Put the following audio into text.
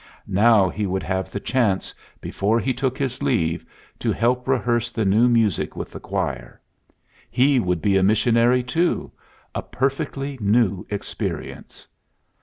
Now he would have the chance, before he took his leave, to help rehearse the new music with the choir. He would be a missionary, too: a perfectly new experience.